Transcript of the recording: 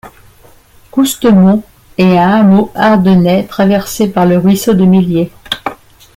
Cousteumont est un hameau ardennais traversé par le ruisseau de Mellier.